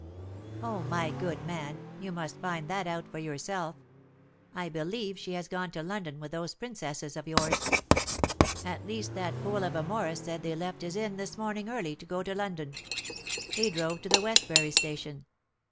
"Oh, my good man, you must find that out for yourself! I believe she has gone to London with those Princesses of yours. At least that fool of a Morris said they left his inn this morning early to go to London. They drove to the Westbury Station.